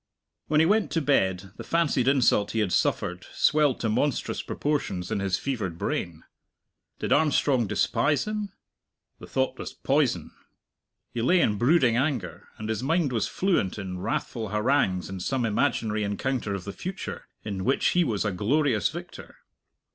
When he went to bed the fancied insult he had suffered swelled to monstrous proportions in his fevered brain. Did Armstrong despise him? The thought was poison! He lay in brooding anger, and his mind was fluent in wrathful harangues in some imaginary encounter of the future, in which he was a glorious victor.